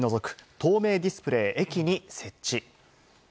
透明ディスプレイ、駅に設置。